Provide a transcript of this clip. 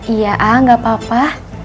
iya ah gak apa apa